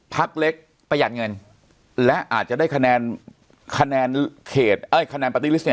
พักเล็กประหยัดเงินและอาจจะได้คะแนนคะแนนเขตคะแนนปาร์ตี้ลิสต์